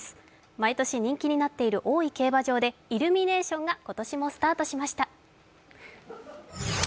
毎年人気になっている大井競馬場でイルミネーションが今年もスタートしました。